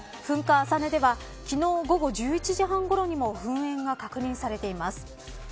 噴火浅根では昨日午後１１時半ごろにも噴煙が確認されています。